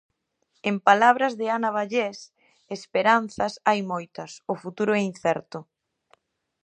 En palabras de Ana Vallés, "Esperanzas hai moitas, o futuro é incerto".